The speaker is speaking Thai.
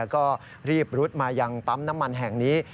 ก็รีบรุดมายังปั๊มน้ำมันแห่งนี้